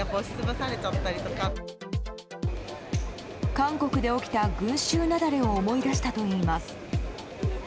韓国で起きた群衆雪崩を思い出したといいます。